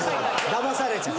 だまされちゃった。